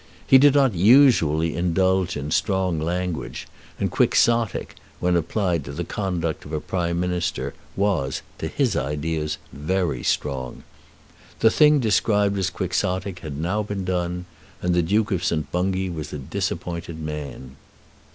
He did not usually indulge in strong language, and Quixotic, when applied to the conduct of a Prime Minister, was, to his ideas, very strong. The thing described as Quixotic had now been done, and the Duke of St. Bungay was a disappointed man.